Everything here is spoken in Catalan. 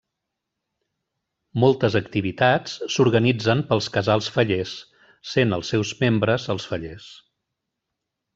Moltes activitats s'organitzen pels casals fallers, sent els seus membres els fallers.